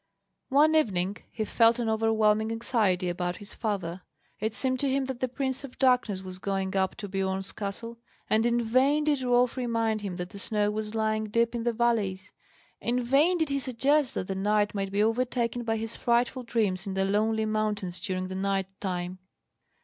One evening he felt an overwhelming anxiety about his father. It seemed to him that the Prince of Darkness was going up to Biorn's castle; and in vain did Rolf remind him that the snow was lying deep in the valleys, in vain did he suggest that the knight might be overtaken by his frightful dreams in the lonely mountains during the night time.